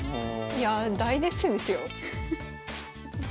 いや大熱戦ですよ。